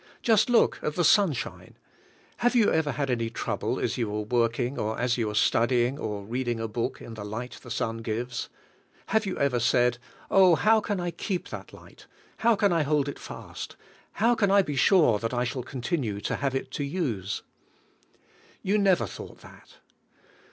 Just look at the sunshine; have you ever had any trouble as you were working or as you w'eie studj ing or reading a book in the light the sun gives? Have you ever said, "Oh, how can I keep that light, how can I hold it fast, how can I be sure that I shall continue to have it to use?'' You never thought that.